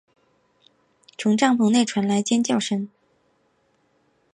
从帐篷内传来尖叫声